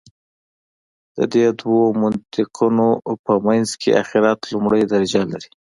د دې دوو منطقونو په منځ کې آخرت لومړۍ درجه لري.